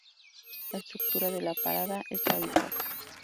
La estructura de la parada es la habitual.